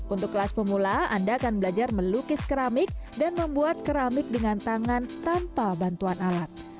untuk kelas pemula anda akan belajar melukis keramik dan membuat keramik dengan tangan tanpa bantuan alat